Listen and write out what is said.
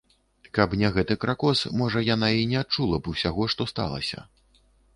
Каб не гэты кракос, можа яна і не адчула б усяго, што сталася.